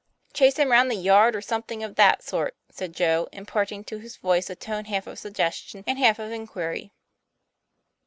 " Chase him round the yard or something of that sort," said Joe, imparting to his voice a tone half of suggestion, and half of inquiry.